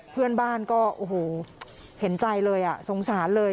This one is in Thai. เพื่อนบ้านก็โอ้โหเห็นใจเลยสงสารเลย